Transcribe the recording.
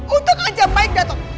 utok aja baik dateng